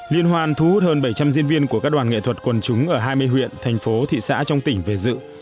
liên hoan thu hút hơn bảy trăm linh diễn viên của các đoàn nghệ thuật quần chúng ở hai mươi huyện thành phố thị xã trong tỉnh về dự